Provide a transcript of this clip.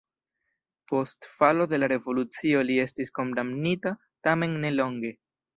Post falo de la revolucio li estis kondamnita, tamen ne longe.